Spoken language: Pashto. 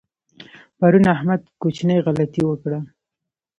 پرون احمد کوچنۍ غلطۍ وکړه.